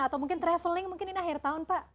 atau mungkin traveling mungkin ini akhir tahun pak